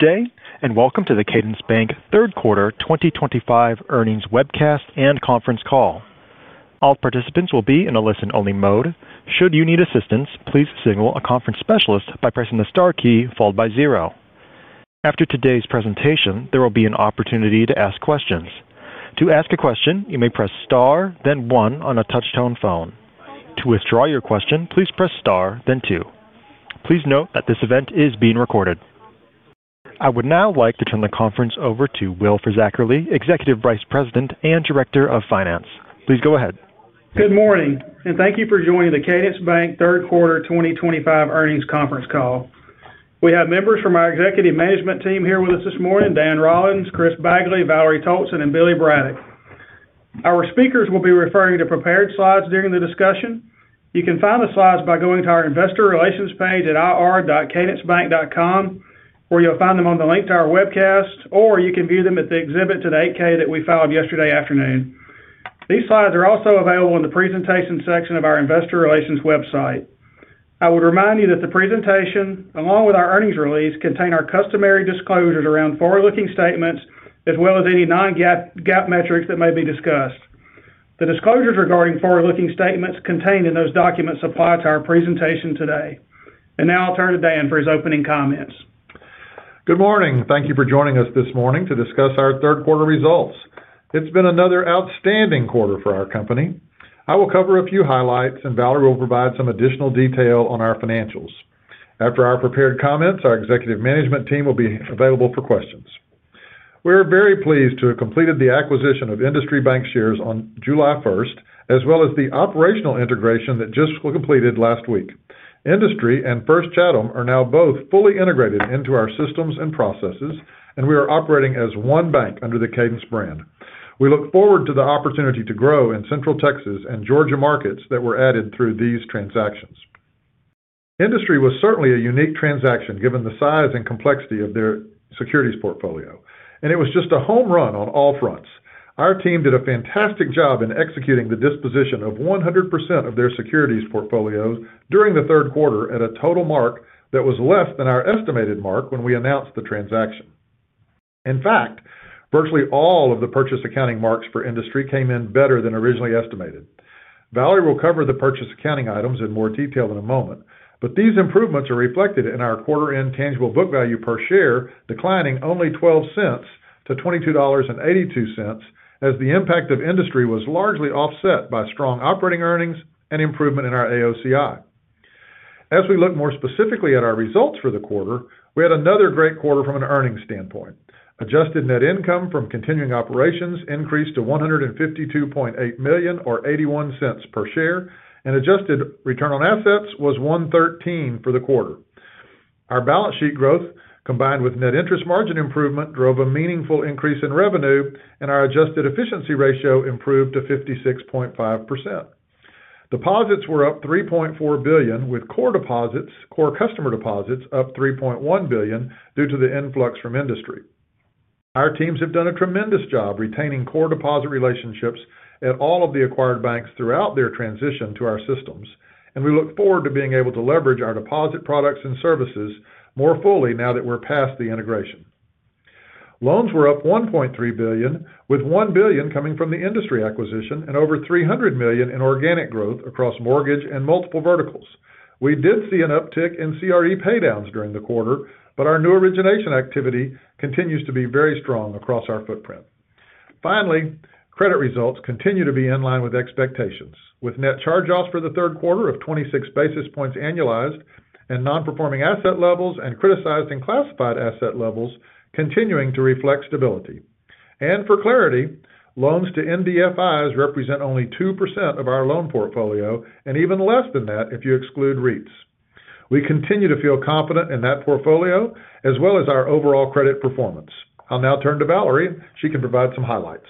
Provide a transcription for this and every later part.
Today, and welcome to the Cadence Bank third quarter 2025 earnings webcast and conference call. All participants will be in a listen-only mode. Should you need assistance, please signal a conference specialist by pressing the star key followed by zero. After today's presentation, there will be an opportunity to ask questions. To ask a question, you may press star, then one on a touch-tone phone. To withdraw your question, please press star, then two. Please note that this event is being recorded. I would now like to turn the conference over to Will Fisackerly, Executive Vice President and Director of Finance. Please go ahead. Good morning, and thank you for joining the Cadence Bank third quarter 2025 earnings conference call. We have members from our Executive Management Team here with us this morning: Dan Rollins, Chris Bagley, Valerie Toalson, and Billy Braddock. Our speakers will be referring to prepared slides during the discussion. You can find the slides by going to our Investor Relations page at ir.cadencebank.com, where you'll find them on the link to our webcast, or you can view them at the exhibit to the 8K that we filed yesterday afternoon. These slides are also available in the Presentation section of our Investor Relations website. I would remind you that the presentation, along with our earnings release, contains our customary disclosures around forward-looking statements, as well as any non-GAAP metrics that may be discussed. The disclosures regarding forward-looking statements contained in those documents apply to our presentation today. Now I'll turn to Dan for his opening comments. Good morning. Thank you for joining us this morning to discuss our third quarter results. It's been another outstanding quarter for our company. I will cover a few highlights, and Valerie will provide some additional detail on our financials. After our prepared comments, our executive management team will be available for questions. We are very pleased to have completed the acquisition of Industry Bankshares on July 1, as well as the operational integration that just was completed last week. Industry and First Chatham Bank are now both fully integrated into our systems and processes, and we are operating as one bank under the Cadence Bank brand. We look forward to the opportunity to grow in Central Texas and Georgia markets that were added through these transactions. Industry was certainly a unique transaction given the size and complexity of their securities portfolio, and it was just a home run on all fronts. Our team did a fantastic job in executing the disposition of 100% of their securities portfolio during the third quarter at a total mark that was less than our estimated mark when we announced the transaction. In fact, virtually all of the purchase accounting marks for Industry came in better than originally estimated. Valerie will cover the purchase accounting items in more detail in a moment, but these improvements are reflected in our quarter-end tangible book value per share declining only $0.12 to $22.82, as the impact of Industry was largely offset by strong operating earnings and improvement in our AOCI. As we look more specifically at our results for the quarter, we had another great quarter from an earnings standpoint. Adjusted net income from continuing operations increased to $152.8 million or $0.81 per share, and adjusted return on assets was 1.13% for the quarter. Our balance sheet growth, combined with net interest margin improvement, drove a meaningful increase in revenue, and our adjusted efficiency ratio improved to 56.5%. Deposits were up $3.4 billion, with core customer deposits up $3.1 billion due to the influx from Industry. Our teams have done a tremendous job retaining core deposit relationships at all of the acquired banks throughout their transition to our systems, and we look forward to being able to leverage our deposit products and services more fully now that we're past the integration. Loans were up $1.3 billion, with $1 billion coming from the Industry acquisition and over $300 million in organic growth across mortgage and multiple verticals. We did see an uptick in CRE paydowns during the quarter, but our new origination activity continues to be very strong across our footprint. Finally, credit results continue to be in line with expectations, with net charge-offs for the third quarter of 26 basis points annualized and non-performing asset levels and criticized and classified asset levels continuing to reflect stability. For clarity, loans to NBFIs represent only 2% of our loan portfolio, and even less than that if you exclude REITs. We continue to feel confident in that portfolio as well as our overall credit performance. I'll now turn to Valerie. She can provide some highlights.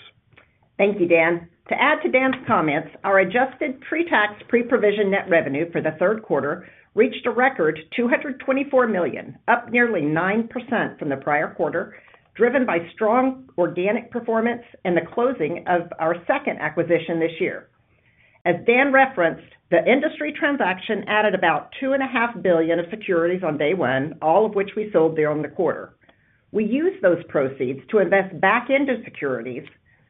Thank you, Dan. To add to Dan's comments, our adjusted pre-tax pre-provision net revenue for the third quarter reached a record $224 million, up nearly 9% from the prior quarter, driven by strong organic performance and the closing of our second acquisition this year. As Dan referenced, the Industry transaction added about $2.5 billion of securities on day one, all of which we sold during the quarter. We used those proceeds to invest back into securities,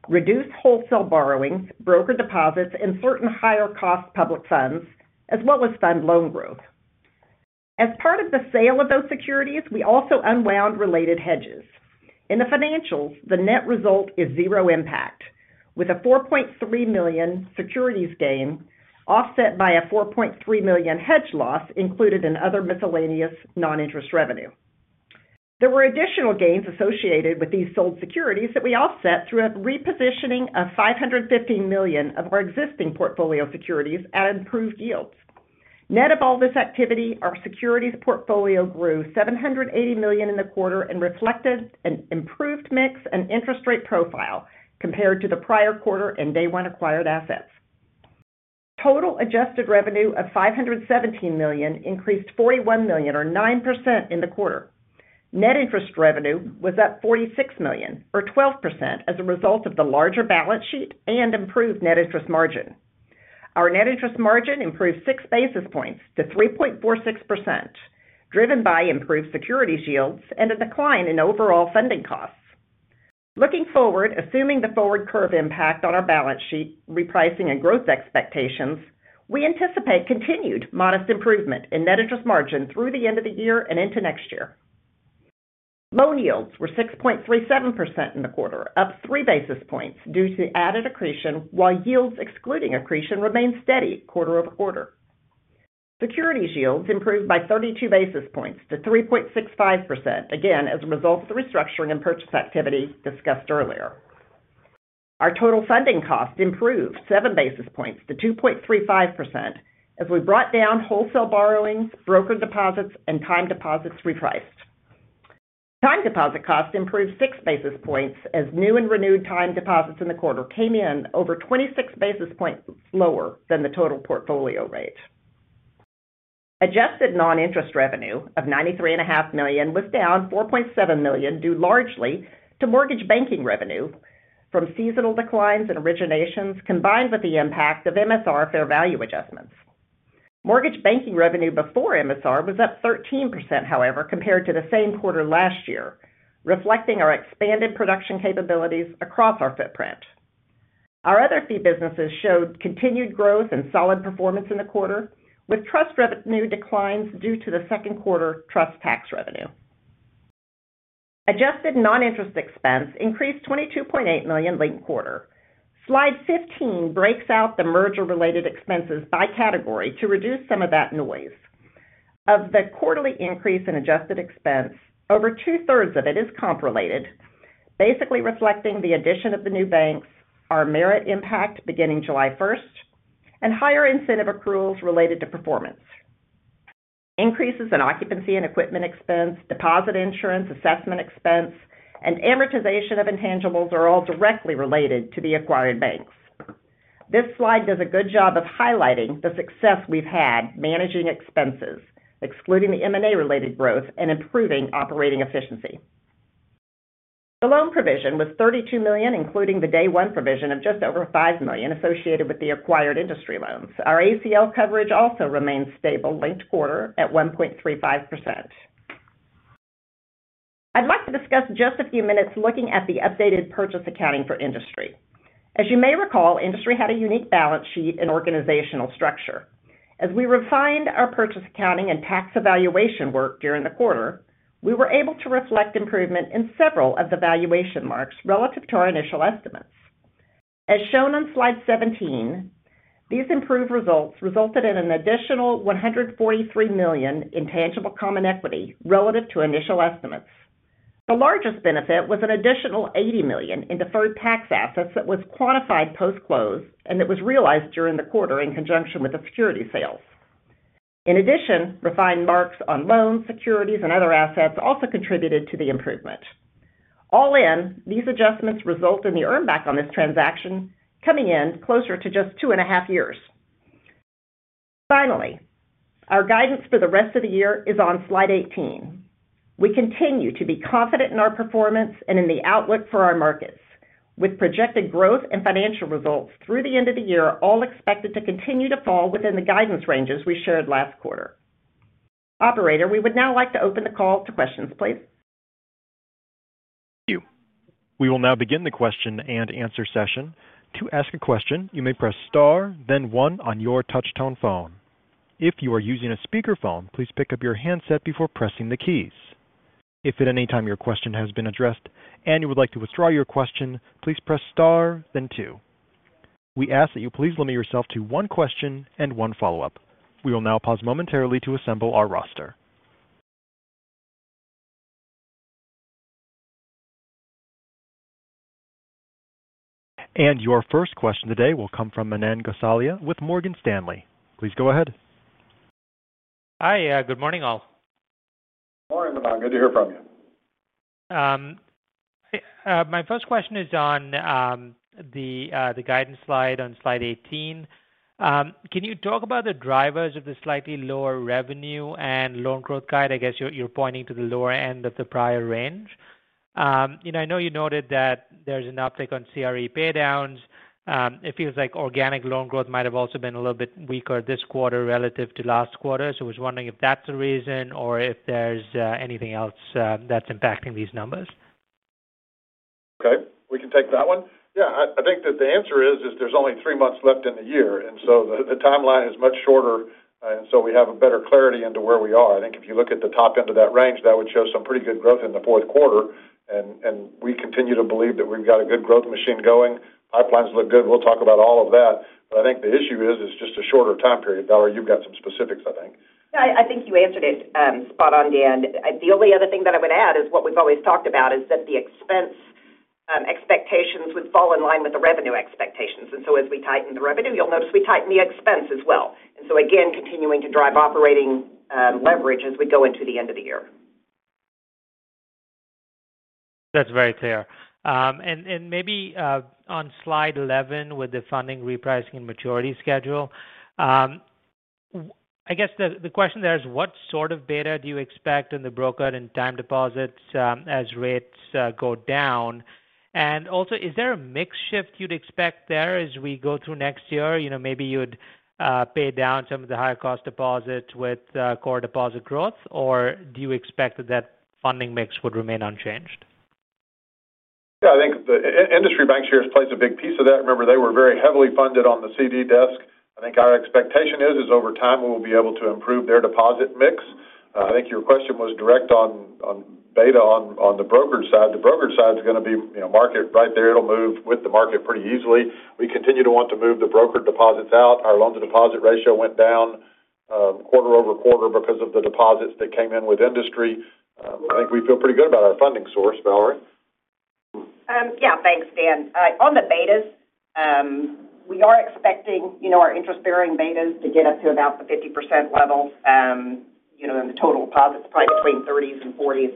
reduce wholesale borrowings, broker deposits, and certain higher-cost public funds, as well as fund loan growth. As part of the sale of those securities, we also unwound related hedges. In the financials, the net result is zero impact, with a $4.3 million securities gain offset by a $4.3 million hedge loss included in other miscellaneous non-interest revenue. There were additional gains associated with these sold securities that we offset through a repositioning of $515 million of our existing portfolio securities at improved yields. Net of all this activity, our securities portfolio grew $780 million in the quarter and reflected an improved mix and interest rate profile compared to the prior quarter and day one acquired assets. Total adjusted revenue of $517 million increased $41 million or 9% in the quarter. Net interest revenue was up $46 million or 12% as a result of the larger balance sheet and improved net interest margin. Our net interest margin improved six basis points to 3.46%, driven by improved securities yields and a decline in overall funding costs. Looking forward, assuming the forward curve impact on our balance sheet repricing and growth expectations, we anticipate continued modest improvement in net interest margin through the end of the year and into next year. Loan yields were 6.37% in the quarter, up three basis points due to the added accretion, while yields excluding accretion remained steady quarter-over-quarter. Securities yields improved by 32 basis points to 3.65%, again as a result of the restructuring and purchase activity discussed earlier. Our total funding cost improved seven basis points to 2.35% as we brought down wholesale borrowings, broker deposits, and time deposits repriced. Time deposit cost improved six basis points as new and renewed time deposits in the quarter came in over 26 basis points lower than the total portfolio rate. Adjusted non-interest revenue of $93.5 million was down $4.7 million due largely to mortgage banking revenue from seasonal declines and originations combined with the impact of MSR fair value adjustments. Mortgage banking revenue before MSR was up 13% compared to the same quarter last year, reflecting our expanded production capabilities across our footprint. Our other three businesses showed continued growth and solid performance in the quarter, with trust revenue declines due to the second quarter trust tax revenue. Adjusted non-interest expense increased $22.8 million late quarter. Slide 15 breaks out the merger-related expenses by category to reduce some of that noise. Of the quarterly increase in adjusted expense, over two-thirds of it is comp-related, basically reflecting the addition of the new banks, our merit impact beginning July 1, and higher incentive accruals related to performance. Increases in occupancy and equipment expense, deposit insurance assessment expense, and amortization of intangibles are all directly related to the acquired banks. This slide does a good job of highlighting the success we've had managing expenses, excluding the M&A related growth and improving operating efficiency. The loan provision was $32 million, including the day one provision of just over $5 million associated with the acquired Industry loans. Our ACL coverage also remains stable late quarter at 1.35%. I'd like to discuss just a few minutes looking at the updated purchase accounting for Industry. As you may recall, Industry had a unique balance sheet and organizational structure. As we refined our purchase accounting and tax evaluation work during the quarter, we were able to reflect improvement in several of the valuation marks relative to our initial estimates. As shown on slide 17, these improved results resulted in an additional $143 million in tangible common equity relative to initial estimates. The largest benefit was an additional $80 million in deferred tax assets that was quantified post-close and that was realized during the quarter in conjunction with the security sales. In addition, refined marks on loans, securities, and other assets also contributed to the improvement. All in, these adjustments result in the earnback on this transaction coming in closer to just two and a half years. Finally, our guidance for the rest of the year is on slide 18. We continue to be confident in our performance and in the outlook for our markets, with projected growth and financial results through the end of the year all expected to continue to fall within the guidance ranges we shared last quarter. Operator, we would now like to open the call to questions, please. Thank you. We will now begin the question and answer session. To ask a question, you may press star, then one on your touch-tone phone. If you are using a speaker phone, please pick up your handset before pressing the keys. If at any time your question has been addressed and you would like to withdraw your question, please press star, then two. We ask that you please limit yourself to one question and one follow-up. We will now pause momentarily to assemble our roster. Your first question today will come from Manan Gosalia with Morgan Stanley. Please go ahead. Hi, good morning all. Morning, good to hear from you. My first question is on the guidance slide on slide 18. Can you talk about the drivers of the slightly lower revenue and loan growth guide? I guess you're pointing to the lower end of the prior range. I know you noted that there's an uptick on CRE paydowns. It feels like organic loan growth might have also been a little bit weaker this quarter relative to last quarter, so I was wondering if that's a reason or if there's anything else that's impacting these numbers. Okay, we can take that one. I think that the answer is there's only three months left in the year, and the timeline is much shorter, so we have better clarity into where we are. I think if you look at the top end of that range, that would show some pretty good growth in the fourth quarter, and we continue to believe that we've got a good growth machine going. Pipelines look good. We'll talk about all of that. I think the issue is it's just a shorter time period. Valerie, you've got some specifics, I think. Yeah, I think you answered it spot on, Dan. The only other thing that I would add is what we've always talked about is that the expense expectations would fall in line with the revenue expectations, and as we tighten the revenue, you'll notice we tighten the expense as well. Again, continuing to drive operating leverage as we go into the end of the year. That's very clear. Maybe on slide 11 with the funding repricing and maturity schedule, I guess the question there is what sort of beta do you expect in the broker and time deposits as rates go down? Also, is there a mix shift you'd expect there as we go through next year? Maybe you'd pay down some of the higher-cost deposits with core deposit growth, or do you expect that that funding mix would remain unchanged? Yeah, I think the Industry Bankshares plays a big piece of that. Remember, they were very heavily funded on the CD desk. I think our expectation is, over time we will be able to improve their deposit mix. I think your question was direct on beta on the brokerage side. The brokerage side is going to be, you know, market right there. It'll move with the market pretty easily. We continue to want to move the broker deposits out. Our loan to deposit ratio went down quarter-over-quarter because of the deposits that came in with Industry. I think we feel pretty good about our funding source, Valerie. Yeah, thanks, Dan. On the betas, we are expecting, you know, our interest-bearing betas to get up to about the 50% level, you know, and the total deposits probably between 30% and 40%.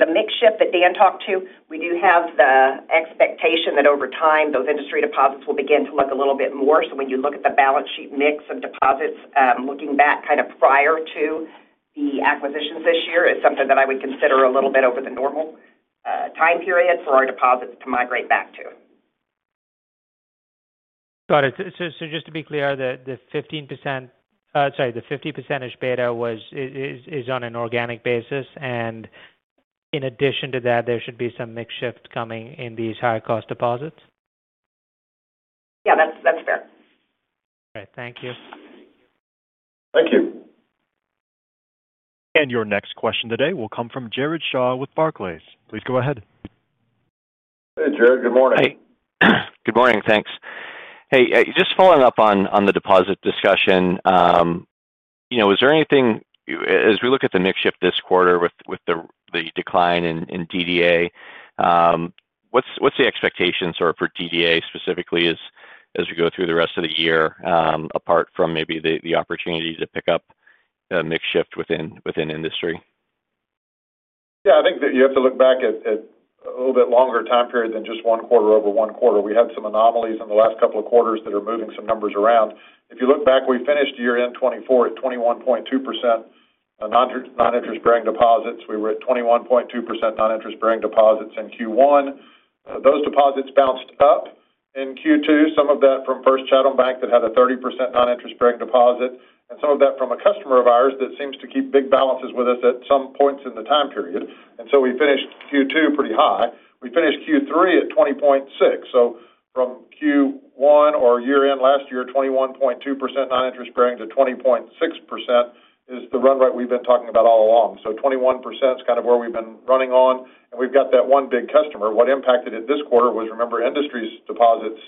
The mix shift that Dan talked to, we do have the expectation that over time those Industry deposits will begin to look a little bit more. When you look at the balance sheet mix of deposits, looking back kind of prior to the acquisitions this year, it's something that I would consider a little bit over the normal time period for our deposits to migrate back to. Got it. Just to be clear, the 50%-ish beta is on an organic basis, and in addition to that, there should be some mix shift coming in these higher-cost deposits? Yeah, that's fair. All right, thank you. Thank you. Your next question today will come from Jared Shaw with Barclays. Please go ahead. Hey, Jared, good morning. Good morning, thanks. Just following up on the deposit discussion, is there anything, as we look at the mix shift this quarter with the decline in DDA, what's the expectation for DDA specifically as we go through the rest of the year, apart from maybe the opportunity to pick up a mix shift within Industry? Yeah, I think that you have to look back at a little bit longer time period than just one quarter over one quarter. We had some anomalies in the last couple of quarters that are moving some numbers around. If you look back, we finished year-end 2024 at 21.2% non-interest-bearing deposits. We were at 21.2% non-interest-bearing deposits in Q1. Those deposits bounced up in Q2. Some of that from First Chatham Bank that had a 30% non-interest-bearing deposit, and some of that from a customer of ours that seems to keep big balances with us at some points in the time period. We finished Q2 pretty high. We finished Q3 at 20.6%. From Q1 or year-end last year, 21.2% non-interest-bearing to 20.6% is the run rate we've been talking about all along. 21% is kind of where we've been running on, and we've got that one big customer. What impacted it this quarter was, remember, Industry's deposits,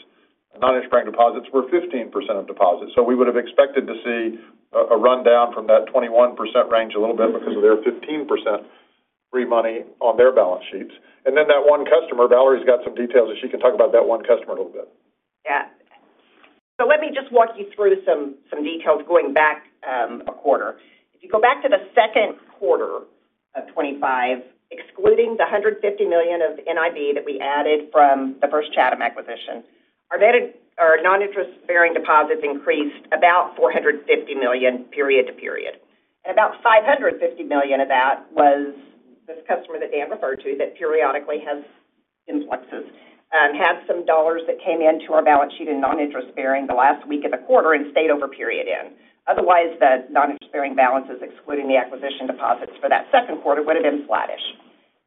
non-interest-bearing deposits were 15% of deposits. We would have expected to see a rundown from that 21% range a little bit because of their 15% free money on their balance sheets. That one customer, Valerie's got some details that she can talk about that one customer a little bit. Yeah, let me just walk you through some details going back a quarter. If you go back to the second quarter of 2025, excluding the $150 million of NIB that we added from the First Chatham acquisition, our non-interest-bearing deposits increased about $450 million period to period. About $550 million of that was this customer that Dan referred to that periodically has influxes, had some dollars that came into our balance sheet in non-interest-bearing the last week of the quarter and stayed over period end. Otherwise, the non-interest-bearing balances, excluding the acquisition deposits for that second quarter, would have been flattish.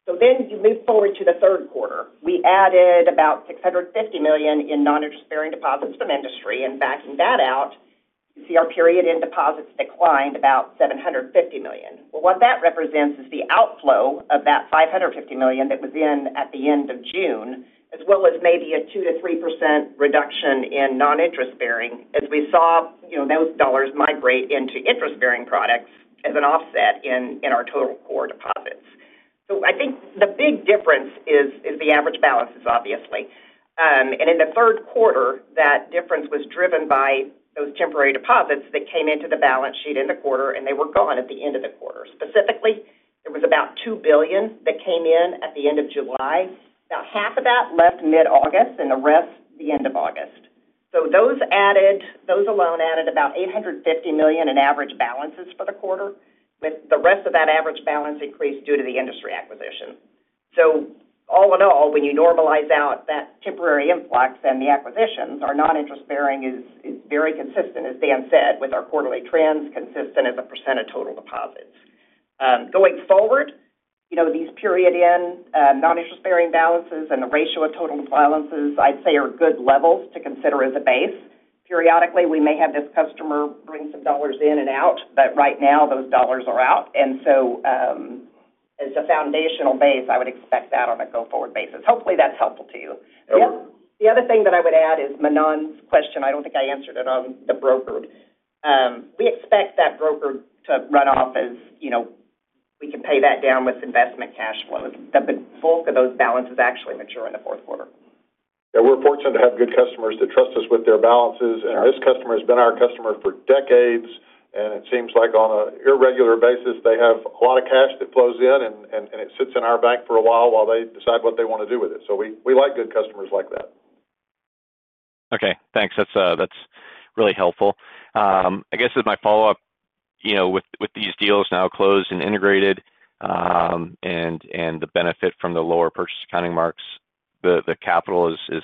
You move forward to the third quarter. We added about $650 million in non-interest-bearing deposits from Industry, and backing that out, you see our period-end deposits declined about $750 million. That represents the outflow of that $550 million that was in at the end of June, as well as maybe a 2% to 3% reduction in non-interest-bearing, as we saw those dollars migrate into interest-bearing products as an offset in our total core deposits. I think the big difference is the average balances, obviously. In the third quarter, that difference was driven by those temporary deposits that came into the balance sheet in the quarter, and they were gone at the end of the quarter. Specifically, there was about $2 billion that came in at the end of July. About half of that left mid-August, and the rest the end of August. Those alone added about $850 million in average balances for the quarter, with the rest of that average balance increased due to the Industry acquisition. All in all, when you normalize out that temporary influx and the acquisitions, our non-interest-bearing is very consistent, as Dan said, with our quarterly trends, consistent as a percent of total deposits. Going forward, these period-end non-interest-bearing balances and the ratio of total balances, I'd say, are good levels to consider as a base. Periodically, we may have this customer bring some dollars in and out, but right now those dollars are out. As a foundational base, I would expect that on a go-forward basis. Hopefully, that's helpful to you. The other thing that I would add is Manan's question. I don't think I answered it on the brokered. We expect that brokered to run off as we can pay that down with investment cash flows. The bulk of those balances actually mature in the fourth quarter. Yeah, we're fortunate to have good customers that trust us with their balances. This customer has been our customer for decades, and it seems like on an irregular basis, they have a lot of cash that flows in, and it sits in our bank for a while while they decide what they want to do with it. We like good customers like that. Okay, thanks. That's really helpful. I guess as my follow-up, with these deals now closed and integrated, and the benefit from the lower purchase accounting marks, the capital is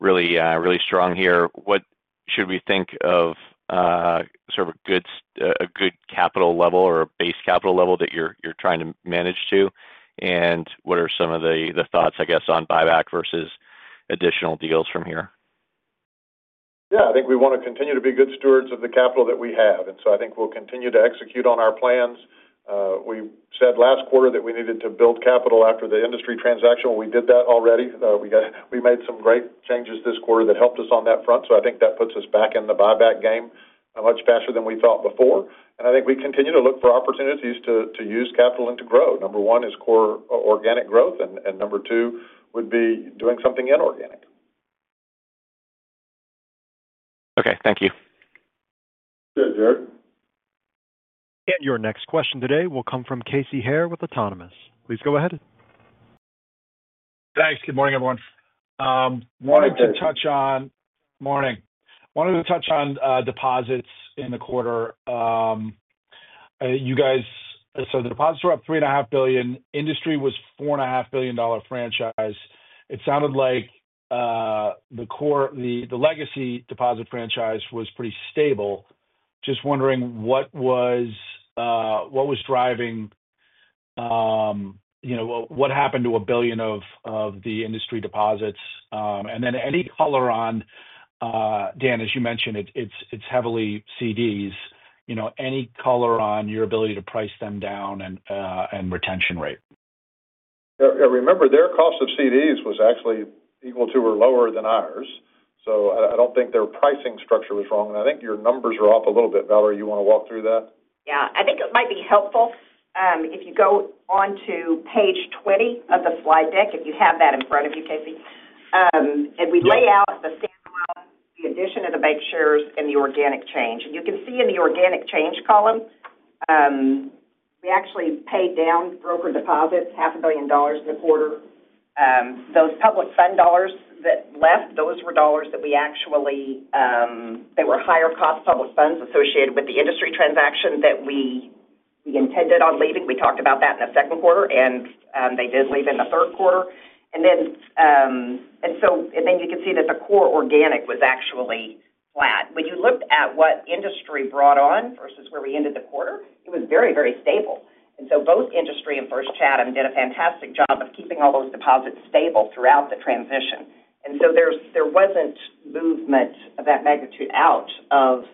really, really strong here. What should we think of as a good capital level or a base capital level that you're trying to manage to, and what are some of the thoughts on buyback versus additional deals from here? Yeah, I think we want to continue to be good stewards of the capital that we have, and I think we'll continue to execute on our plans. We said last quarter that we needed to build capital after the Industry transaction. We did that already. We made some great changes this quarter that helped us on that front, so I think that puts us back in the buyback game much faster than we thought before. I think we continue to look for opportunities to use capital and to grow. Number one is core organic growth, and number two would be doing something inorganic. Okay, thank you. Good, Jared. Your next question today will come from Casey Haire with Autonomous. Please go ahead. Thanks. Good morning, everyone. Morning. Wanted to touch on deposits in the quarter. The deposits were up $3.5 billion. Industry was a $4.5 billion franchise. It sounded like the core, the legacy deposit franchise was pretty stable. Just wondering what was driving, you know, what happened to a billion of the Industry deposits? Any color on, Dan, as you mentioned, it's heavily CDs. Any color on your ability to price them down and retention rate? Yeah, remember, their cost of CDs was actually equal to or lower than ours. I don't think their pricing structure was wrong. I think your numbers are off a little bit. Valerie, you want to walk through that? Yeah, I think it might be helpful if you go on to page 20 of the slide deck, if you have that in front of you, Casey. We lay out the standalone, the addition of the bank shares, and the organic change. You can see in the organic change column, we actually paid down broker deposits $500 million in the quarter. Those public fund dollars that left, those were dollars that we actually, they were higher-cost public funds associated with the Industry transaction that we intended on leaving. We talked about that in the second quarter, and they did leave in the third quarter. You can see that the core organic was actually flat. When you looked at what Industry brought on versus where we ended the quarter, it was very, very stable. Both Industry and First Chatham did a fantastic job of keeping all those deposits stable throughout the transition. There wasn't movement of that magnitude out of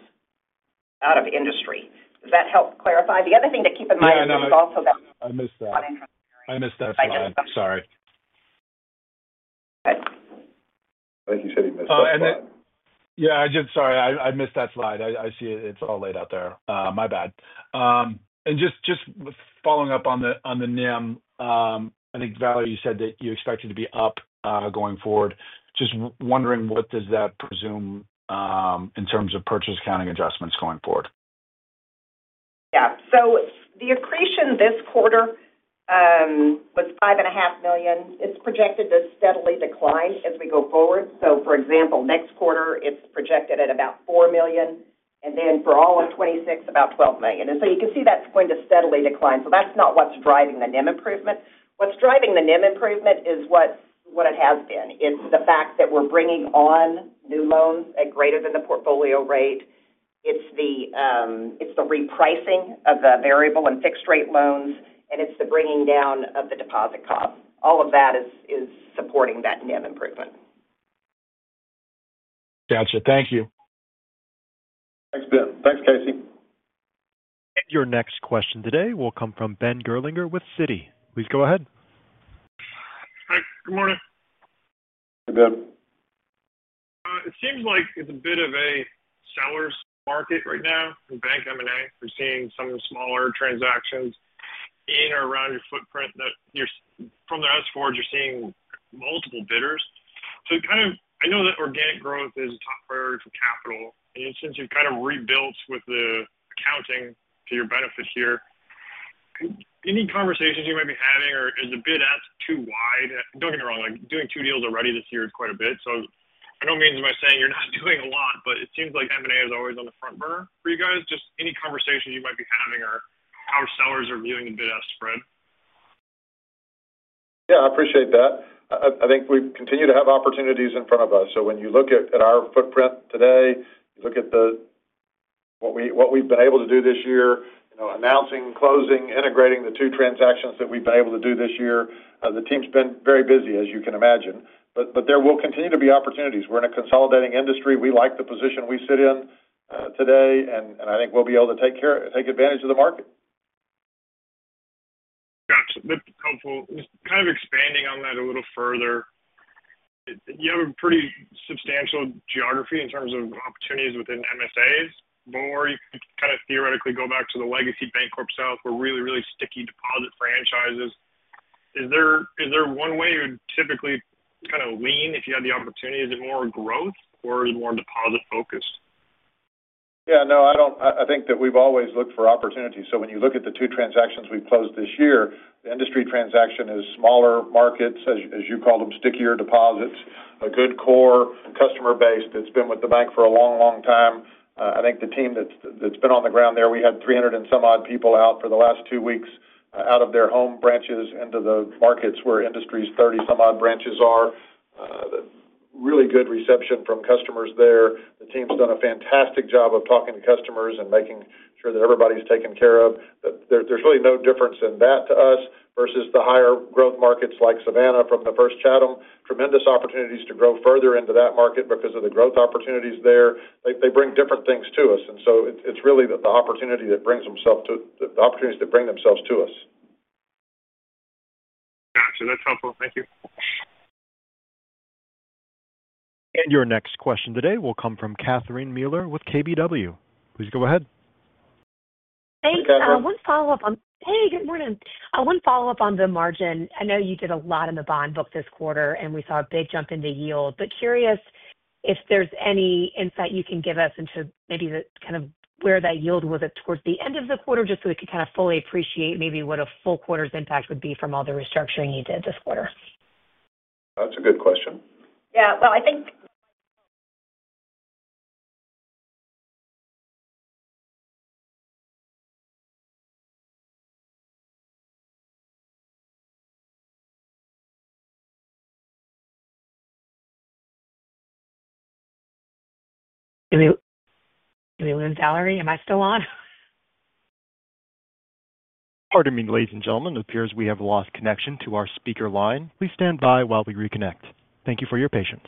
Industry. Does that help clarify? The other thing to keep in mind is also. I missed that slide. Sorry. Go ahead. I think he said he missed that slide. Yeah, I did. Sorry, I missed that slide. I see it. It's all laid out there. My bad. Just following up on the NIM, I think Valerie, you said that you expect it to be up going forward. Just wondering, what does that presume in terms of purchase accounting adjustments going forward? Yeah, so the accretion this quarter was $5.5 million. It's projected to steadily decline as we go forward. For example, next quarter it's projected at about $4 million, and then for all of 2026, about $12 million. You can see that's going to steadily decline. That's not what's driving the NIM improvement. What's driving the NIM improvement is what it has been. It's the fact that we're bringing on new loans at greater than the portfolio rate. It's the repricing of the variable and fixed-rate loans, and it's the bringing down of the deposit cost. All of that is supporting that NIM improvement. Gotcha. Thank you. Thanks. Thanks, Casey. Your next question today will come from Ben Gerlinger with Citi. Please go ahead. Hi, good morning. Hey, Ben. It seems like it's a bit of a seller's market right now in bank M&A. We're seeing some smaller transactions in or around your footprint that you're, from the S-4s, you're seeing multiple bidders. I know that organic growth is a top priority for capital, and since you've kind of rebuilt with the accounting to your benefit here, any conversations you might be having or is the bid-ask too wide? Don't get me wrong, like doing two deals already this year is quite a bit. By no means am I saying you're not doing a lot, but it seems like M&A is always on the front burner for you guys. Just any conversations you might be having or how sellers are viewing the bid-ask spread? Yeah, I appreciate that. I think we continue to have opportunities in front of us. When you look at our footprint today, you look at what we've been able to do this year, announcing, closing, integrating the two transactions that we've been able to do this year, the team's been very busy, as you can imagine. There will continue to be opportunities. We're in a consolidating industry. We like the position we sit in today, and I think we'll be able to take advantage of the market. Gotcha. That's helpful. Just kind of expanding on that a little further, you have a pretty substantial geography in terms of opportunities within MSAs, or you could kind of theoretically go back to the legacy BancorpSouth, where really, really sticky deposit franchises. Is there one way you would typically kind of lean if you had the opportunity? Is it more growth, or is it more deposit-focused? Yeah, no, I think that we've always looked for opportunities. When you look at the two transactions we closed this year, the Industry transaction is smaller markets, as you called them, stickier deposits, a good core customer base that's been with the bank for a long, long time. I think the team that's been on the ground there, we had 300 and some odd people out for the last two weeks out of their home branches into the markets where Industry's 30-some odd branches are. Really good reception from customers there. The team's done a fantastic job of talking to customers and making sure that everybody's taken care of. There's really no difference in that to us versus the higher growth markets like Savannah from the First Chatham. Tremendous opportunities to grow further into that market because of the growth opportunities there. They bring different things to us. It's really the opportunity that brings themselves to the opportunities that bring themselves to us. Gotcha. That's helpful. Thank you. Your next question today will come from Catherine Mealor with KBW. Please go ahead. Hey, one follow-up. Hey, Catherine. Hey, good morning. One follow-up on the margin. I know you did a lot in the bond book this quarter, and we saw a big jump in the yield. Curious if there's any insight you can give us into maybe the kind of where that yield was towards the end of the quarter, just so we could kind of fully appreciate maybe what a full quarter's impact would be from all the restructuring you did this quarter. That's a good question. Yeah, I think. Anyone in salary? Am I still on? Pardon me, ladies and gentlemen, it appears we have lost connection to our speaker line. Please stand by while we reconnect. Thank you for your patience.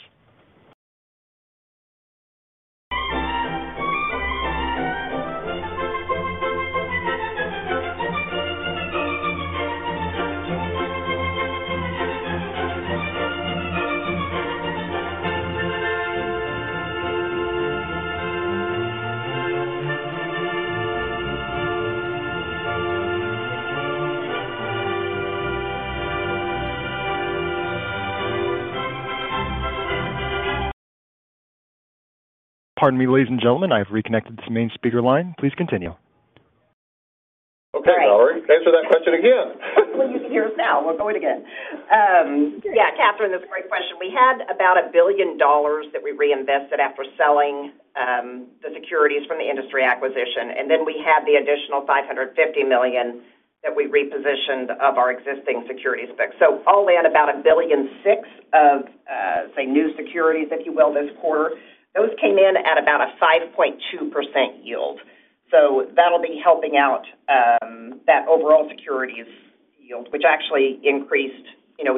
Pardon me, ladies and gentlemen, I've reconnected to the main speaker line. Please continue. Okay, Valerie, answer that question again. You hear us now. We're going again. Catherine, that's a great question. We had about $1 billion that we reinvested after selling the securities from the Industry acquisition, and then we had the additional $550 million that we repositioned of our existing securities fix. All in, about $1.6 billion of, say, new securities, if you will, this quarter. Those came in at about a 5.2% yield. That'll be helping out that overall securities yield, which actually increased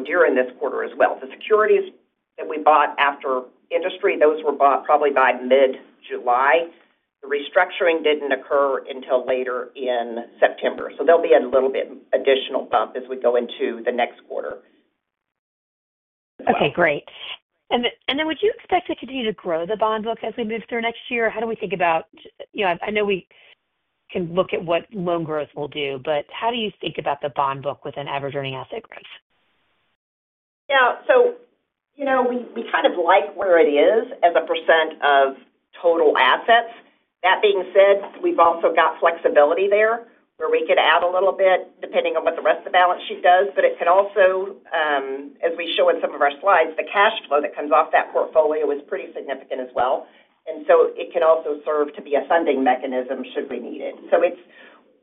during this quarter as well. The securities that we bought after Industry, those were bought probably by mid-July. The restructuring didn't occur until later in September. There'll be a little bit additional bump as we go into the next quarter. Okay, great. Would you expect to continue to grow the bond book as we move through next year? How do we think about, you know, I know we can look at what loan growth will do, but how do you think about the bond book with an average earning asset growth? Yeah, you know, we kind of like where it is as a percent of total assets. That being said, we've also got flexibility there where we could add a little bit depending on what the rest of the balance sheet does. It can also, as we show in some of our slides, the cash flow that comes off that portfolio is pretty significant as well. It can also serve to be a funding mechanism should we need it.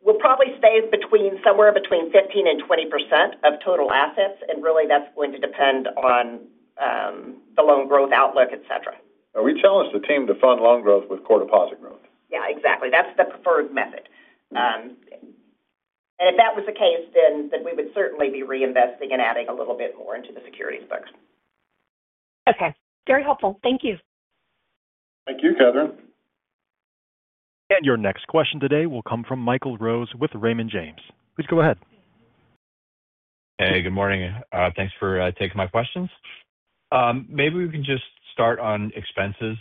We'll probably stay somewhere between 15% and 20% of total assets, and really that's going to depend on the loan growth outlook, etc. We challenge the team to fund loan growth with core deposit growth. Yeah, exactly. That is the preferred method. If that was the case, we would certainly be reinvesting and adding a little bit more into the securities portfolio. Okay, very helpful. Thank you. Thank you, Catherine. Your next question today will come from Michael Rose with Raymond James. Please go ahead. Hey, good morning. Thanks for taking my questions. Maybe we can just start on expenses.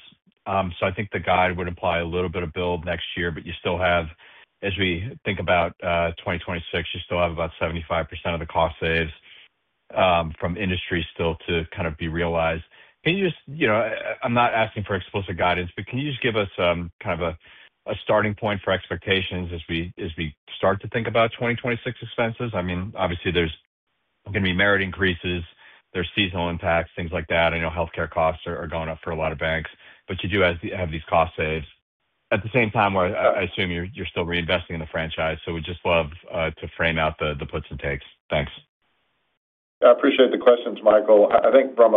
I think the guide would imply a little bit of build next year, but you still have, as we think about 2026, you still have about 75% of the cost saves from Industry still to kind of be realized. Can you just, I'm not asking for explicit guidance, but can you just give us kind of a starting point for expectations as we start to think about 2026 expenses? Obviously, there's going to be merit increases, there's seasonal impacts, things like that. I know healthcare costs are going up for a lot of banks, but you do have these cost saves at the same time where I assume you're still reinvesting in the franchise. We'd just love to frame out the puts and takes. Thanks. I appreciate the questions, Michael. I think from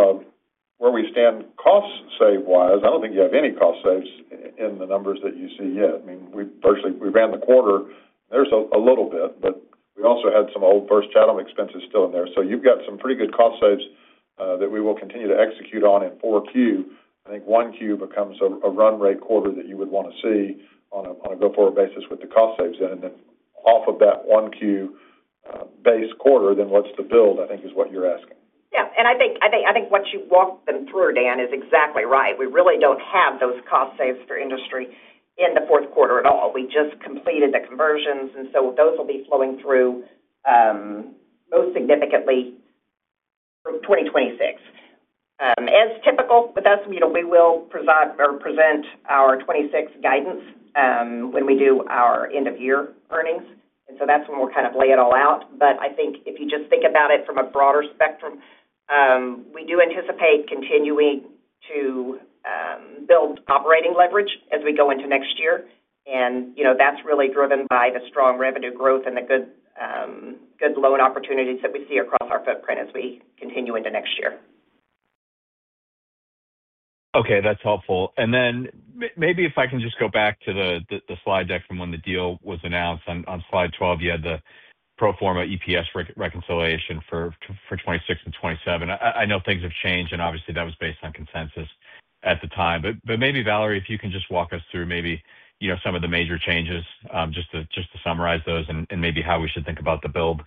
where we stand cost save-wise, I don't think you have any cost saves in the numbers that you see yet. I mean, we ran the quarter, there's a little bit, but we also had some old First Chatham expenses still in there. You have some pretty good cost saves that we will continue to execute on in four Qs. I think one Q becomes a run rate quarter that you would want to see on a go-forward basis with the cost saves in. Off of that one Q base quarter, what's the build, I think, is what you're asking. Yeah, and I think what you walked them through, Dan, is exactly right. We really don't have those cost saves for Industry in the fourth quarter at all. We just completed the conversions, and those will be flowing through most significantly for 2026. As typical with us, we will present our 2026 guidance when we do our end-of-year earnings. That's when we'll kind of lay it all out. If you just think about it from a broader spectrum, we do anticipate continuing to build operating leverage as we go into next year. That's really driven by the strong revenue growth and the good loan opportunities that we see across our footprint as we continue into next year. Okay, that's helpful. Maybe if I can just go back to the slide deck from when the deal was announced. On slide 12, you had the pro forma EPS reconciliation for 2026 and 2027. I know things have changed, and obviously that was based on consensus at the time. Maybe, Valerie, if you can just walk us through some of the major changes just to summarize those and how we should think about the build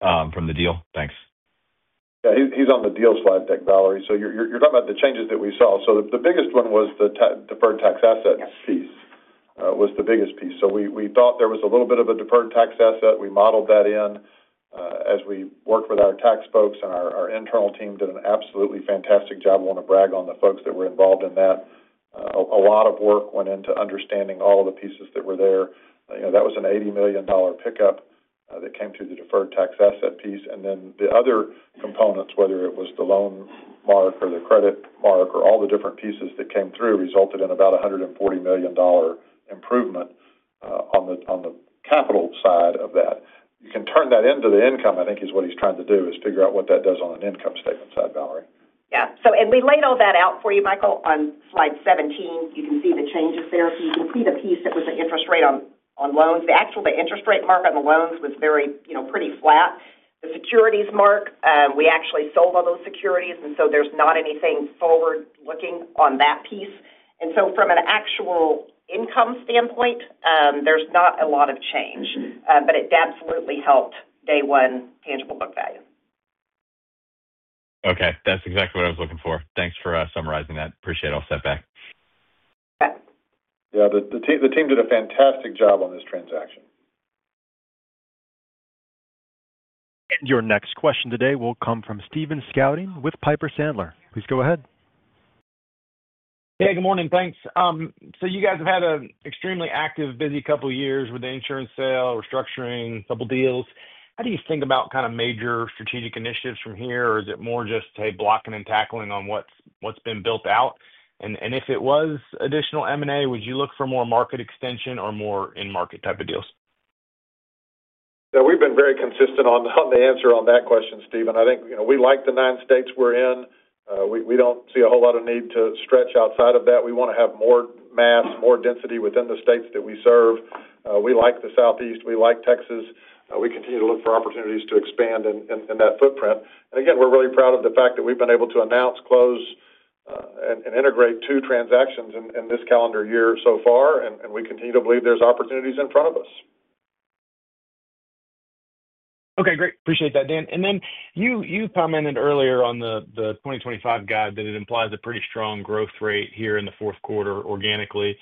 from the deal. Thanks. Yeah, he's on the deal slide deck, Valerie. You're talking about the changes that we saw. The biggest one was the deferred tax asset piece, which was the biggest piece. We thought there was a little bit of a deferred tax asset. We modeled that in as we worked with our tax folks, and our internal team did an absolutely fantastic job. I want to brag on the folks that were involved in that. A lot of work went into understanding all of the pieces that were there. That was an $80 million pickup that came through the deferred tax asset piece. The other components, whether it was the loan mark or the credit mark or all the different pieces that came through, resulted in about a $140 million improvement on the capital side of that. You can turn that into the income. I think what he's trying to do is figure out what that does on an income statement side, Valerie. Yeah, we laid all that out for you, Michael, on slide 17. You can see the changes there. You can see the piece that was the interest rate on loans. Actually, the interest rate mark on the loans was pretty flat. The securities mark, we actually sold all those securities, so there's not anything forward looking on that piece. From an actual income standpoint, there's not a lot of change, but it absolutely helped day one tangible book value. Okay, that's exactly what I was looking for. Thanks for summarizing that. Appreciate all that. Yeah, the team did a fantastic job on this transaction. Your next question today will come from Stephen Scouten with Piper Sandler. Please go ahead. Hey, good morning. Thanks. You guys have had an extremely active, busy couple of years with the insurance sale, restructuring, a couple of deals. How do you think about kind of major strategic initiatives from here, or is it more just, hey, blocking and tackling on what's been built out? If it was additional M&A, would you look for more market extension or more in-market type of deals? Yeah, we've been very consistent on the answer on that question, Stephen. I think, you know, we like the nine states we're in. We don't see a whole lot of need to stretch outside of that. We want to have more mass, more density within the states that we serve. We like the Southeast. We like Texas. We continue to look for opportunities to expand in that footprint. We're really proud of the fact that we've been able to announce, close, and integrate two transactions in this calendar year so far, and we continue to believe there's opportunities in front of us. Okay, great. Appreciate that, Dan. You commented earlier on the 2025 guide that it implies a pretty strong growth rate here in the fourth quarter organically.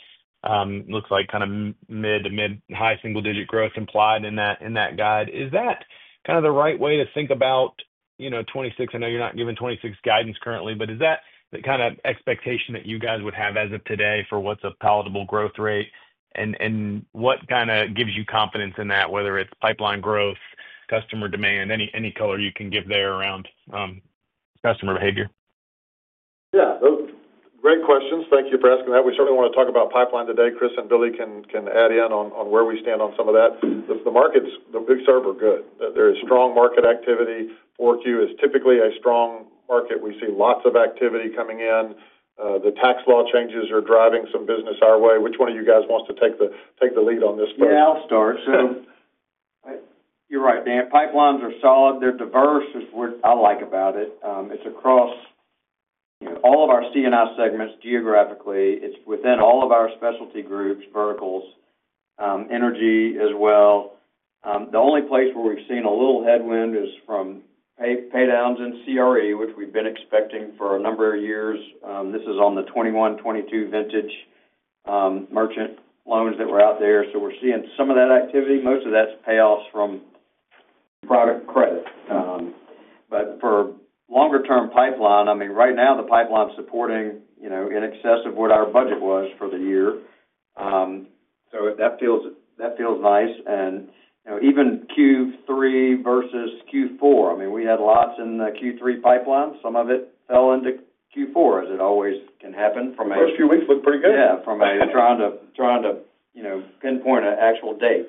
It looks like kind of mid to mid-high single-digit growth implied in that guide. Is that kind of the right way to think about, you know, 2026? I know you're not giving 2026 guidance currently, but is that the kind of expectation that you guys would have as of today for what's a palatable growth rate? What kind of gives you confidence in that, whether it's pipeline growth, customer demand, any color you can give there around customer behavior? Yeah, those are great questions. Thank you for asking that. We certainly want to talk about pipeline today. Chris and Billy can add in on where we stand on some of that. The markets, the big serve, are good. There is strong market activity. Fourth Q is typically a strong market. We see lots of activity coming in. The tax law changes are driving some business our way. Which one of you guys wants to take the lead on this first? I'll start. You're right, Dan. Pipelines are solid. They're diverse, which is what I like about it. It's across all of our C&I segments geographically. It's within all of our specialty groups, verticals, energy as well. The only place where we've seen a little headwind is from paydowns in CRE, which we've been expecting for a number of years. This is on the 2021, 2022 vintage merchant loans that were out there. We're seeing some of that activity. Most of that's payoffs from private credit. For longer-term pipeline, right now the pipeline's supporting in excess of what our budget was for the year. That feels nice. Even Q3 versus Q4, we had lots in the Q3 pipeline. Some of it fell into Q4, as it always can happen. The first few weeks looked pretty good. Yeah, trying to pinpoint an actual date,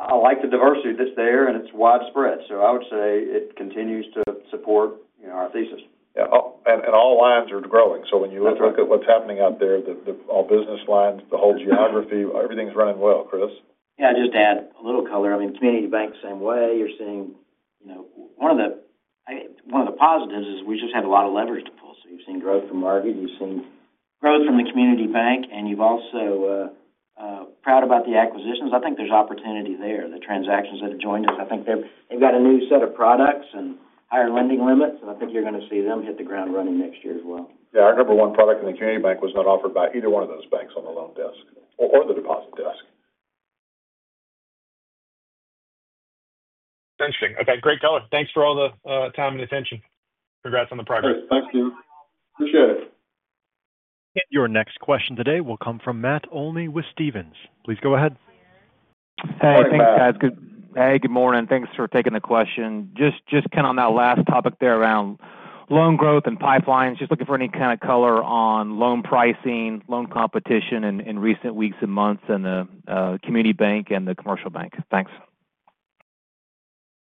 I like the diversity that's there, and it's widespread. I would say it continues to support our thesis. Yeah, all lines are growing. When you look at what's happening out there, all business lines, the whole geography, everything's running well, Chris. Yeah, I'll just add a little color. I mean, community banking, same way. You're seeing, you know, one of the, I guess, one of the positives is we just had a lot of leverage to pull. You've seen growth from market, you've seen growth from the community banking, and you've also, proud about the acquisitions. I think there's opportunity there. The transactions that have joined us, I think they've got a new set of products and higher lending limits, and I think you're going to see them hit the ground running next year as well. Yeah, our number one product in the community banking was not offered by either one of those banks on the loan desk or the deposit desk. That's interesting. Okay, great color. Thanks for all the time and attention. Congrats on the project. Thank you. Appreciate it. Your next question today will come from Matt Olney with Stephens. Please go ahead. Hey, thanks, guys. Hey, good morning. Thanks for taking the question. Just kind of on that last topic there around loan growth and pipelines, just looking for any kind of color on loan pricing, loan competition in recent weeks and months in the Community Bank and the commercial bank. Thanks.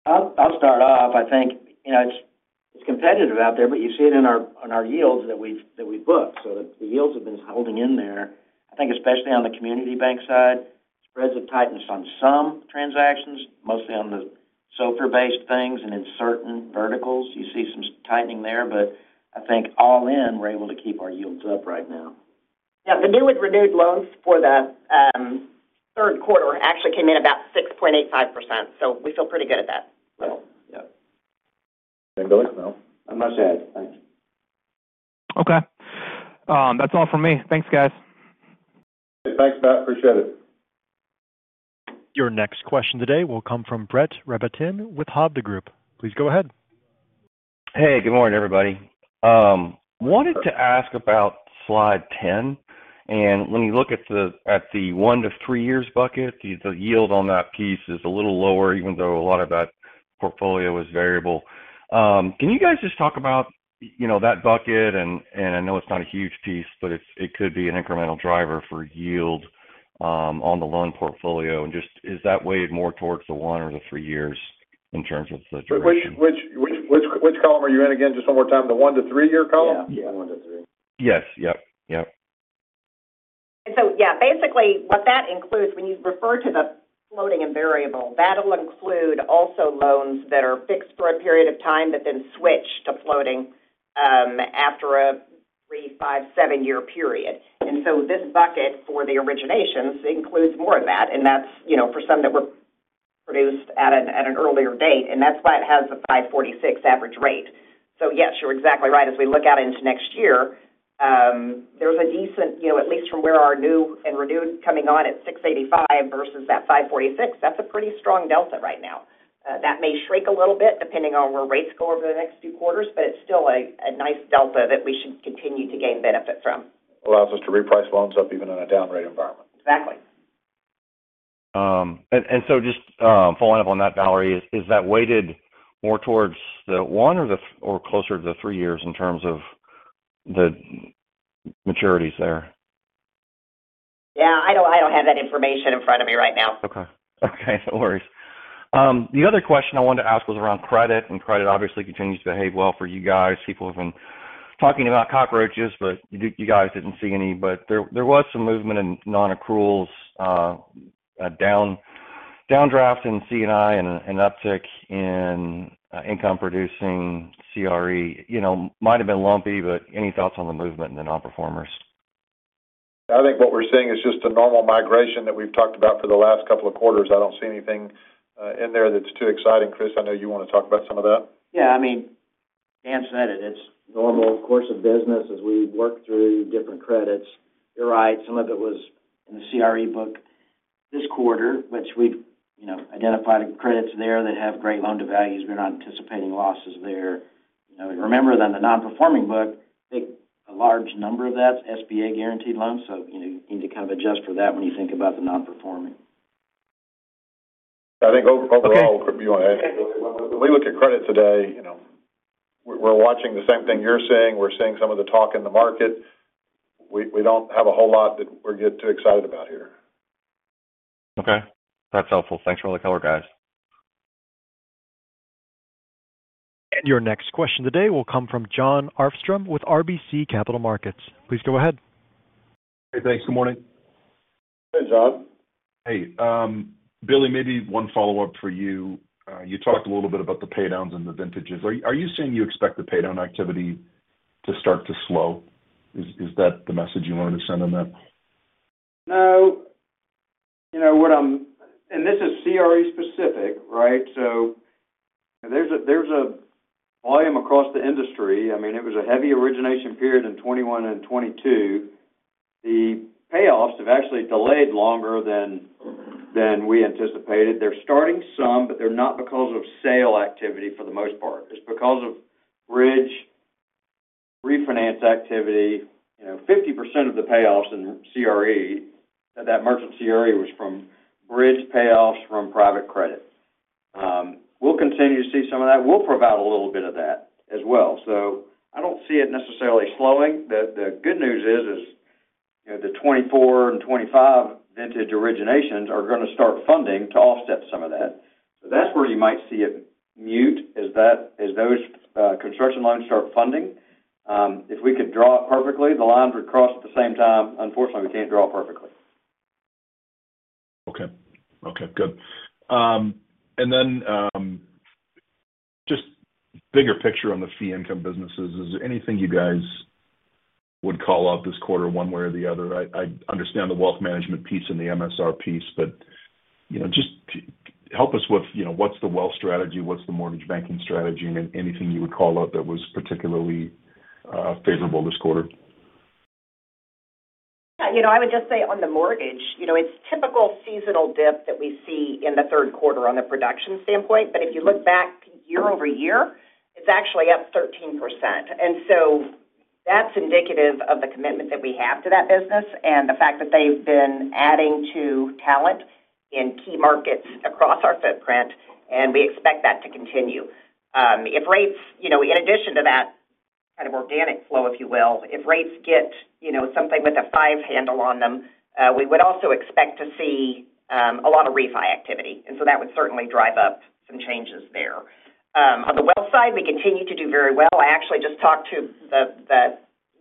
I'll start off. I think it's competitive out there, but you see it in our yields that we've booked. The yields have been holding in there. I think especially on the Community Bank side, spreads have tightened on some transactions, mostly on the softer-based things, and in certain verticals, you see some tightening there. I think all in, we're able to keep our yields up right now. Yeah, the new renewed loans for the third quarter actually came in at about 6.85%. We feel pretty good at that. Thank you, Billy. I must add thanks. Okay, that's all from me. Thanks, guys. Hey, thanks, Matt. Appreciate it. Your next question today will come from Brett Rabatin with Hovde Group. Please go ahead. Hey, good morning, everybody. I wanted to ask about slide 10. When you look at the one to three years bucket, the yield on that piece is a little lower, even though a lot of that portfolio is variable. Can you guys just talk about that bucket? I know it's not a huge piece, but it could be an incremental driver for yield on the loan portfolio. Is that weighted more towards the one or the three years in terms of the driver? Which column are you in again? Just one more time, the one to three-year column? Yeah, yeah, one to three. Yes, yes. Basically, what that includes, when you refer to the floating and variable, that'll include also loans that are fixed for a period of time that then switch to floating after a three, five, seven-year period. This bucket for the originations includes more of that. That's for some that were produced at an earlier date. That's why it has a 5.46% average rate. Yes, you're exactly right. As we look out into next year, there's a decent, at least from where our new and renewed coming on at 6.85% versus that 5.46%, that's a pretty strong delta right now. That may shrink a little bit depending on where rates go over the next few quarters, but it's still a nice delta that we should continue to gain benefit from. Allows us to reprice loans up even in a down rate environment. Exactly. Just following up on that, Valerie, is that weighted more towards the one or closer to the three years in terms of the maturities there? Yeah, I don't have that information in front of me right now. Okay, no worries. The other question I wanted to ask was around credit. Credit obviously continues to behave well for you guys. People have been talking about cockroaches, but you guys didn't see any. There was some movement in non-accruals, a downdraft in C&I, and an uptick in income-producing CRE. It might have been lumpy, but any thoughts on the movement in the non-performers? I think what we're seeing is just a normal migration that we've talked about for the last couple of quarters. I don't see anything in there that's too exciting. Chris, I know you want to talk about some of that. Yeah, I mean, Dan said it. It's a normal course of business as we work through different credits. You're right. Some of it was in the CRE book this quarter, which we've identified credits there that have great loan-to-values. We're not anticipating losses there. Remember, the non-performing book, a large number of that's SBA guaranteed loans. You need to kind of adjust for that when you think about the non-performing. I think overall, if we look at credit today, we're watching the same thing you're seeing. We're seeing some of the talk in the market. We don't have a whole lot that we're getting too excited about here. Okay, that's helpful. Thanks for all the color, guys. Your next question today will come from Jon Arfstrom with RBC Capital Markets. Please go ahead. Hey, thanks. Good morning. Hey, Jon. Hey, Billy, maybe one follow-up for you. You talked a little bit about the paydowns and the vintages. Are you saying you expect the paydown activity to start to slow? Is that the message you wanted to send in that? No, you know what, and this is CRE specific, right? There's a volume across the industry. I mean, it was a heavy origination period in 2021 and 2022. The payoffs have actually delayed longer than we anticipated. They're starting some, but they're not because of sale activity for the most part. It's because of bridge refinance activity. You know, 50% of the payoffs in CRE, that merchant CRE was from bridge payoffs from private credit. We'll continue to see some of that. We'll provide a little bit of that as well. I don't see it necessarily slowing. The good news is, you know, the 2024 and 2025 vintage originations are going to start funding to offset some of that. That's where you might see it mute is that as those construction loans start funding. If we could draw it perfectly, the lines would cross at the same time. Unfortunately, we can't draw it perfectly. Okay, good. Just bigger picture on the fee income businesses, is there anything you guys would call out this quarter one way or the other? I understand the wealth management piece and the MSR piece, but you know, just help us with what's the wealth strategy, what's the mortgage banking strategy, and anything you would call out that was particularly favorable this quarter? Yeah, you know, I would just say on the mortgage, you know, it's a typical seasonal dip that we see in the third quarter on the production standpoint. If you look back year-over-year, it's actually up 13%. That's indicative of the commitment that we have to that business and the fact that they've been adding to talent in key markets across our footprint, and we expect that to continue. If rates, you know, in addition to that kind of organic flow, if you will, if rates get, you know, something with a five handle on them, we would also expect to see a lot of refi activity. That would certainly drive up some changes there. On the wealth side, we continue to do very well. I actually just talked to the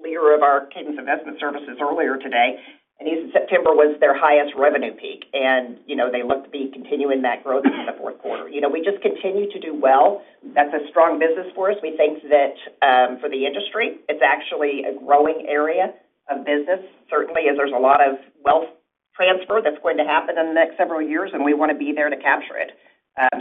leader of our Kings Investment Services earlier today, and he said September was their highest revenue peak. You know, they look to be continuing that growth into the fourth quarter. We just continue to do well. That's a strong business for us. We think that for the industry, it's actually a growing area of business, certainly, as there's a lot of wealth transfer that's going to happen in the next several years, and we want to be there to capture it.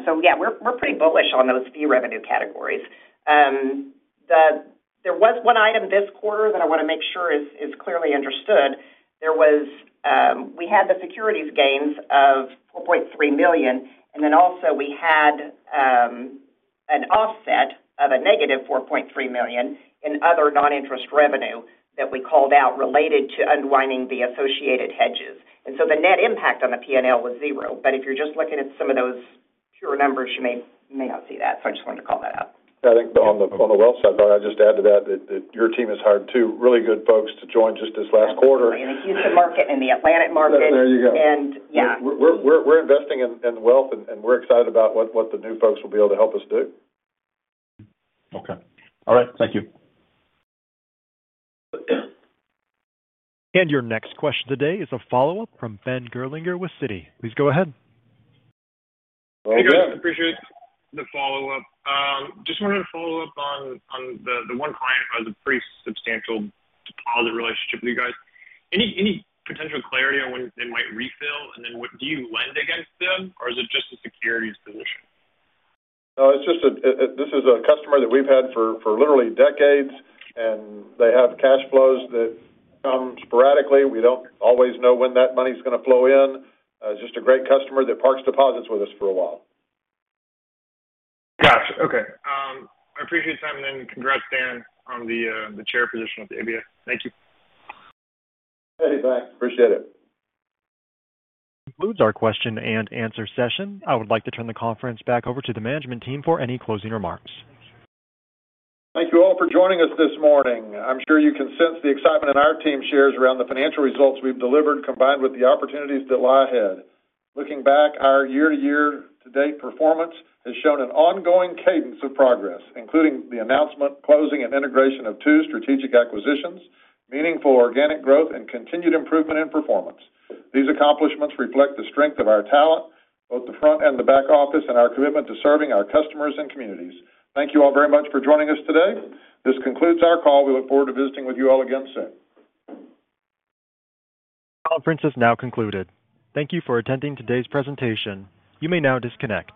Yeah, we're pretty bullish on those few revenue categories. There was one item this quarter that I want to make sure is clearly understood. We had the securities gains of $4.3 million, and then also we had an offset of a negative $4.3 million in other non-interest revenue that we called out related to unwinding the associated hedges. The net impact on the P&L was zero. If you're just looking at some of those pure numbers, you may not see that. I just wanted to call that out. I think on the wealth side, Valerie, I'd just add to that that your team has hired two really good folks to join just this last quarter. In the Houston market and the Atlanta market. There you go. And yeah. We're investing in wealth, and we're excited about what the new folks will be able to help us do. Okay. All right, thank you. Your next question today is a follow-up from Ben Gerlinger with Citi. Please go ahead. Hey, guys, appreciate the follow-up. I just wanted to follow up on the one client who has a pretty substantial deposit relationship with you guys. Any potential clarity on when they might refill, and what do you lend against them, or is it just a securities position? No, this is a customer that we've had for literally decades, and they have cash flows that come sporadically. We don't always know when that money's going to flow in. It's just a great customer that parks deposits with us for a while. Gotcha. Okay. I appreciate the time, and congrats, Dan, on the Chair position with the ABA. Thank you. Hey, thanks. Appreciate it. Concludes our question and answer session. I would like to turn the conference back over to the management team for any closing remarks. Thank you all for joining us this morning. I'm sure you can sense the excitement our team shares around the financial results we've delivered, combined with the opportunities that lie ahead. Looking back, our year-to-date performance has shown an ongoing cadence of progress, including the announcement, closing, and integration of two strategic acquisitions, meaningful organic growth, and continued improvement in performance. These accomplishments reflect the strength of our talent, both the front and the back office, and our commitment to serving our customers and communities. Thank you all very much for joining us today. This concludes our call. We look forward to visiting with you all again soon. Conference is now concluded. Thank you for attending today's presentation. You may now disconnect.